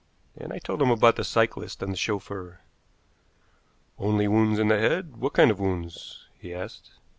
And I told him about the cyclists and the chauffeur. "Only wounds in the head? What kind of wounds?" he asked.